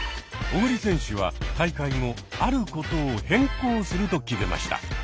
小栗選手は大会後あることを変更すると決めました。